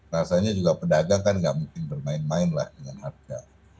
rasanya juga pedagang kan nggak mungkin bermain main lah dengan harga